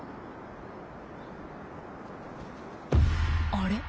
あれ？